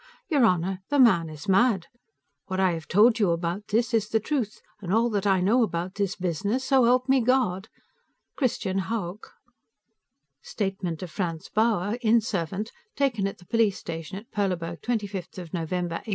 Your honor, the man is mad. What I have told you about this is the truth, and all that I know about this business, so help me God. Christian Hauck (Statement of Franz Bauer, inn servant, taken at the police station at Perleburg, 25 November, 1809.)